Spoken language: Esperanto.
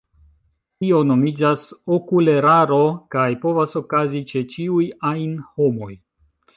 Tio nomiĝas okuleraro, kaj povas okazi ĉe ĉiuj ajn homoj.